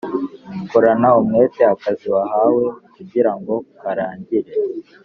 Korana umwete akazi wahawe kugirango karangire